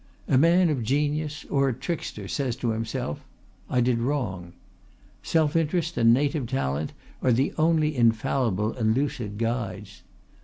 A man of genius or a trickster says to himself, "I did wrong." Self interest and native talent are the only infallible and lucid guides.